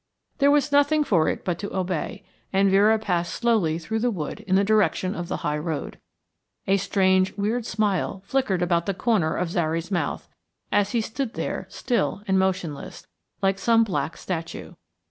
There was nothing for it but to obey, and Vera passed slowly through the wood in the direction of the high road. A strange weird smile flickered about the corner of Zary's mouth, as he stood there still and motionless, like some black statue.